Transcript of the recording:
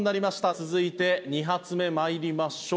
続いて２発目まいりましょう。